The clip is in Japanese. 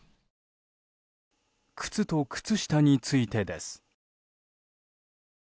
靴と靴下についてです。